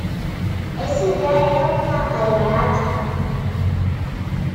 Ese día era una algarabía.